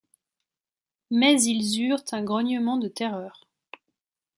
Mais ils eurent un grognement de terreur.